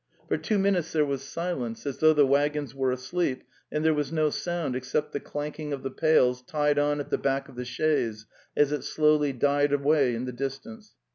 For two minutes there was silence, as though the waggons were asleep and there was no sound except the clanking of the pails tied on at the back of the chaise as it slowly died away in the dis tance.